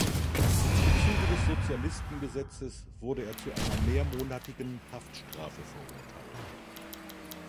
Im Zuge des Sozialistengesetzes wurde er zu einer mehrmonatigen Haftstrafe verurteilt.